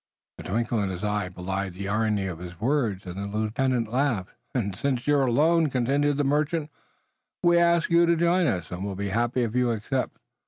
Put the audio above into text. The twinkle in his eye belied the irony of his words, and the lieutenant laughed. "And since you're alone," continued the merchant, "we ask you to join us, and will be happy if you accept.